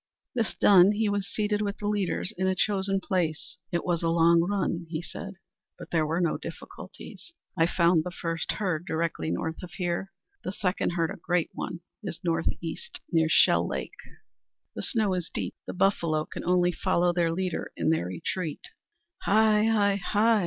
This done, he was seated with the leaders in a chosen place. "It was a long run," he said, "but there were no difficulties. I found the first herd directly north of here. The second herd, a great one, is northeast, near Shell Lake. The snow is deep. The buffalo can only follow their leader in their retreat." "Hi, hi, hi!"